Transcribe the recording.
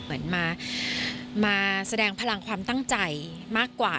เหมือนมาแสดงพลังความตั้งใจมากกว่า